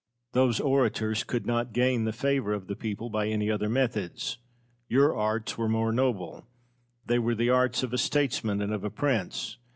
Those orators could not gain the favour of the people by any other methods. Your arts were more noble they were the arts of a statesman and of a prince.